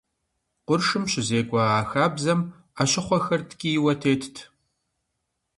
Къуршым щызекӏуэ а хабзэм ӏэщыхъуэхэр ткӏийуэ тетт.